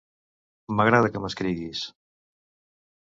M'agrada que m'escriguis.